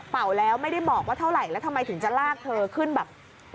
แล้วไม่ได้บอกว่าเท่าไหร่แล้วทำไมถึงจะลากเธอขึ้นแบบ